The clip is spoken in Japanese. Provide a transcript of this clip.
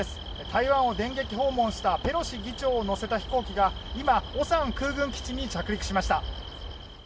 台湾を電撃訪問したペロシ議長を乗せた飛行機が今烏山空軍基地に着陸しました。